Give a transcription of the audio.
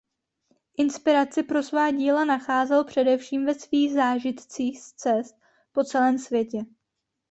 Inspiraci pro svá díla nacházel především ve svých zážitcích z cest po celém světě.